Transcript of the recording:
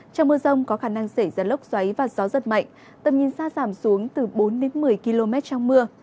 trong mưa rông có khả năng xảy ra lốc xoáy và gió rất mạnh tầm nhìn xa giảm xuống từ bốn đến một mươi km trong mưa